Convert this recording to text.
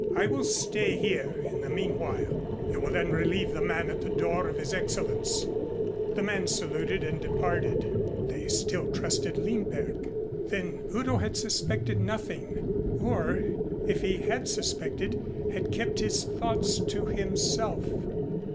I will stay here in the meanwhile. You will then relieve the man at the door of his Excellenz." The man saluted and departed. They still trusted Lindberg. Then Udo had suspected nothing, or if he had suspected, had kept his thoughts to himself.